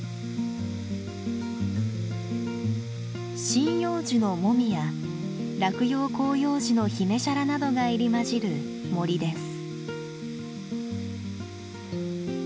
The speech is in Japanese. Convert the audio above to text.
針葉樹のモミや落葉広葉樹のヒメシャラなどが入り交じる森です。